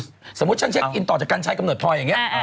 สมมุติฉันเช็คอินต่อจากการใช้กำเนิดพลอยอย่างนี้